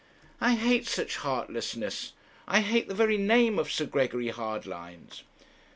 I hate such heartlessness. I hate the very name of Sir Gregory Hardlines.'